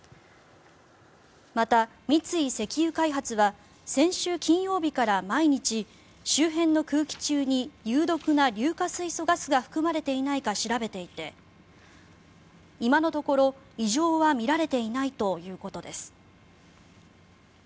また、三井石油開発は先週金曜日から毎日周辺の空気中に有毒な硫化水素ガスが含まれていないか調べていて今のところ、異常は見られていないということです。